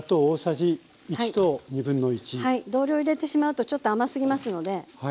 同量入れてしまうとちょっと甘すぎますので。